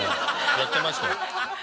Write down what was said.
やってましたよ。